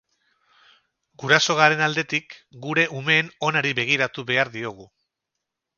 Guraso garen aldetik, gure umeen onari begiratu behar diogu.